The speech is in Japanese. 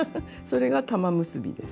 それが玉結びです。